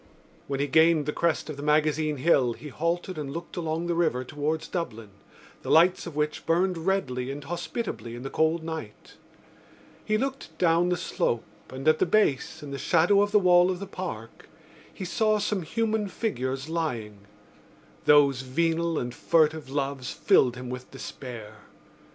When he gained the crest of the Magazine Hill he halted and looked along the river towards Dublin, the lights of which burned redly and hospitably in the cold night. He looked down the slope and, at the base, in the shadow of the wall of the Park, he saw some human figures lying. Those venal and furtive loves filled him with despair.